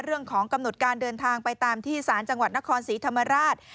เรื่องของกำหนดการเดินทางไปตามที่สารจังหวัดนครศรีธรรมราช